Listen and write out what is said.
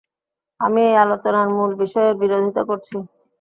আমি এই আলোচনার মূল বিষয়ের বিরোধিতা করছি।